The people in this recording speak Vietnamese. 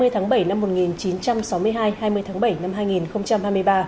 hai mươi tháng bảy năm một nghìn chín trăm sáu mươi hai hai mươi tháng bảy năm hai nghìn hai mươi ba